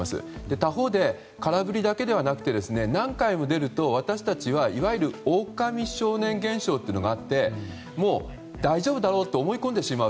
他方で、空振りだけではなくて何回も出ると私たちはいわゆるオオカミ少年現象というのがあってもう大丈夫だろうと思い込んでしまう。